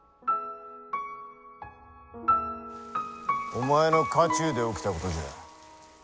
お前の家中で起きたことじゃ。